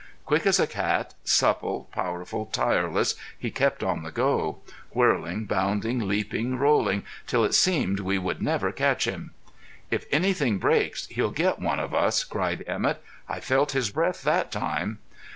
Quick as a cat, supple, powerful, tireless, he kept on the go, whirling, bounding, leaping, rolling, till it seemed we would never catch him. "If anything breaks, he'll get one of us," cried Emett. "I felt his breath that time."